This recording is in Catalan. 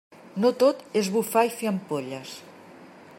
No tot és bufar i fer ampolles.